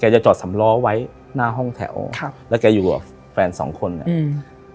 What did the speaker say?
จะจอดสำล้อไว้หน้าห้องแถวครับแล้วแกอยู่กับแฟนสองคนอ่ะอืม